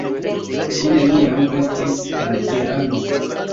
Ŝi neniam estis en Irano.